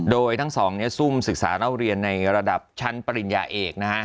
โดยทั้งสองซุ่มศึกษาเล่าเรียนในระดับชั้นปริญญาเอกนะฮะ